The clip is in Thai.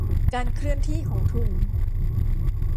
การเคลื่อนที่ของทุน